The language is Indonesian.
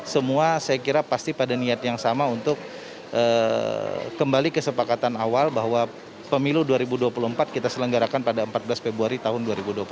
semua saya kira pasti pada niat yang sama untuk kembali kesepakatan awal bahwa pemilu dua ribu dua puluh empat kita selenggarakan pada empat belas februari tahun dua ribu dua puluh empat